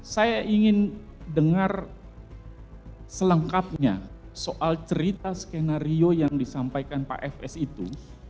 saya ingin dengar selengkapnya soal cerita skenario yang disampaikan pak fs itu